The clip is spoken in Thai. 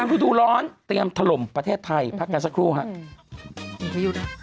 ฤดูร้อนเตรียมถล่มประเทศไทยพักกันสักครู่ครับ